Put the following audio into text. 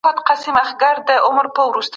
که خلګ غيبت ونه کړي، باور ساتل کېږي.